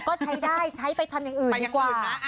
ก็ใช้ได้ใช้ไปทำอย่างอื่นดีกว่า